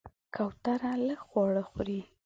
کوتره لږ خواړه خوري.